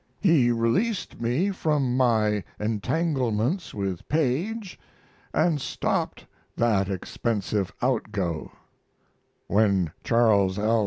He released me from my entanglements with Paige and stopped that expensive outgo; when Charles L.